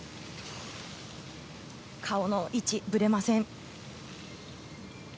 顔の位置、ぶれません。